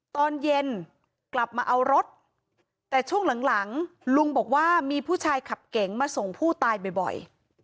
ตอนเย็นกลับมาเอารถแต่ช่วงหลังลุงบอกว่ามีผู้ชายขับเก๋งมาส่งผู้ตายบ่อย